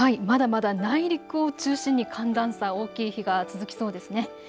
まだまだ内陸を中心に寒暖差大きい日が続きそうですね。